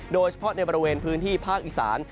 โดยเฉพาะในบริเวณพื้นที่ภาคอีสาน